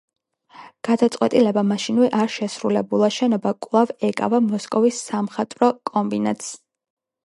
გადაწყვეტილება მაშინვე არ შესრულებულა, შენობა კვლავ ეკავა მოსკოვის სამხატვრო კომბინატს.